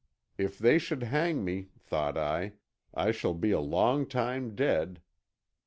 If they should hang me, thought I, I shall be a long time dead.